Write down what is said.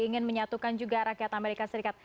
ingin menyatukan juga rakyat amerika serikat